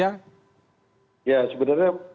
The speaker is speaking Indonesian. ya sebenarnya kalau saya mengerti saya tidak mengerti